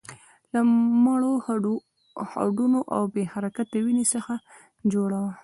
له مړو هډونو او بې حرکته وينې څخه جوړه وه.